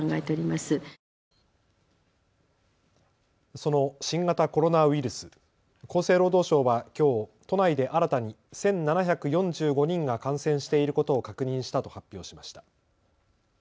その新型コロナウイルス、厚生労働省はきょう都内で新たに１７４５人が感染していることを確認したと発表しました。